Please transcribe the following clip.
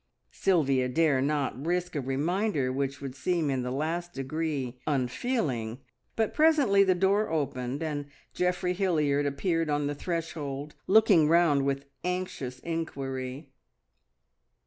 Sylvia dare not risk a reminder which would seem in the last degree unfeeling, but presently the door opened, and Geoffrey Hilliard appeared on the threshold, looking round with anxious inquiry.